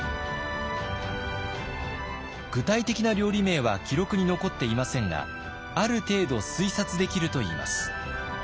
具体的な料理名は記録に残っていませんがある程度推察できるといいます。